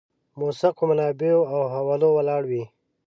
موثقو منابعو او حوالو ولاړ وي.